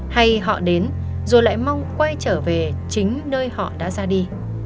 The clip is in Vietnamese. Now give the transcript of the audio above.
hay họ đến rồi lại mong quay trở về chính nơi họ đã ra đi